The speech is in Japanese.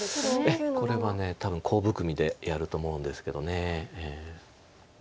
ええこれは多分コウ含みでやると思うんですけど。